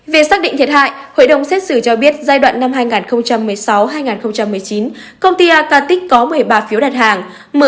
về xác định thiệt hại hội đồng xét xử cho biết giai đoạn năm hai nghìn một mươi sáu hai nghìn một mươi chín công ty acatic có một mươi ba phiếu đặt hàng